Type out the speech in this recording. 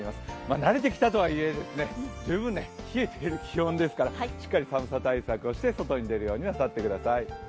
慣れてきたとはいえ十分冷えている気温ですからしっかり寒さ対策をして外に出るようになさってください。